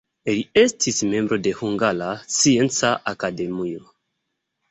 Li estis membro de Hungara Scienca Akademio.